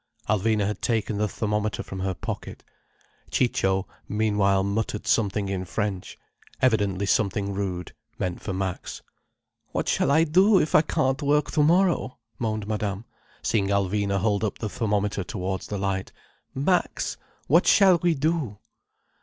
Alvina had taken the thermometer from her pocket. Ciccio meanwhile muttered something in French—evidently something rude—meant for Max. "What shall I do if I can't work tomorrow!" moaned Madame, seeing Alvina hold up the thermometer towards the light. "Max, what shall we do?"